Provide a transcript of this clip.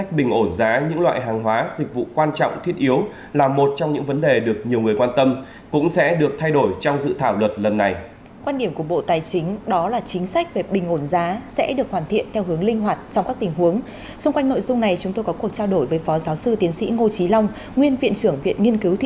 trong nội dung này chúng tôi có cuộc trao đổi với phó giáo sư tiến sĩ ngô trí long nguyên viện trưởng viện nghiên cứu thị trường giá cả bộ tài chính